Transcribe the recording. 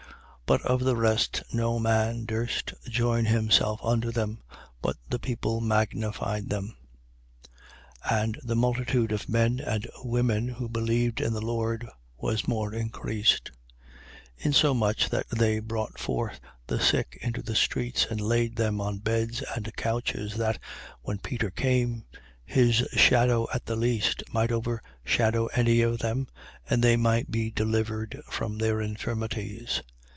5:13. But of the rest no man durst join himself unto them: but the people magnified them. 5:14. And the multitude of men and women who believed in the Lord was more increased: 5:15. Insomuch that they brought forth the sick into the streets and laid them on beds and couches, that, when Peter came, his shadow at the least might overshadow any of them and they might be delivered from their infirmities.